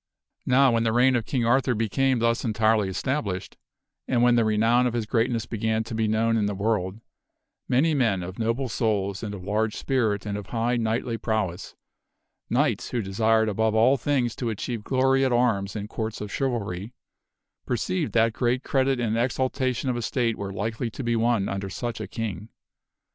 Now when the reign of King Arthur became thus entirely established, and when the renown of his greatness began to be known in the world, many men of noble souls and of large spirit and of high knightly prowess knights who desired above all things to achieve glory at arms in Courts of Chivalry perceived that great credit and exaltation of estate were likely to be won under such a king.